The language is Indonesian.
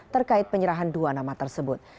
terkait penyerahan dua nama tersebut